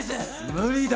無理だ。